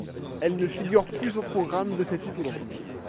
Elle ne figure plus au programme de cet hippodrome.